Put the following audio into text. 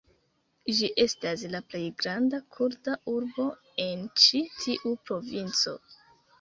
Ĝi estas la plej granda kurda urbo en ĉi tiu provinco.